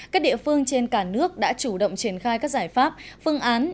các địa phương trên cả nước đã chủ động triển khai các giải pháp phương án